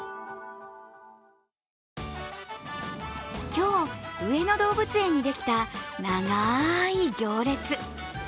今日、上野動物公園にできた長い行列。